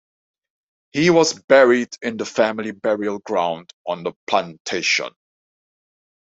He was buried in the family burial ground on the plantation.